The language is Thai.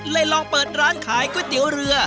ลองเปิดร้านขายก๋วยเตี๋ยวเรือ